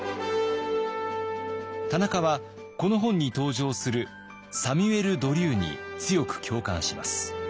田中はこの本に登場するサミュエル・ドリューに強く共感します。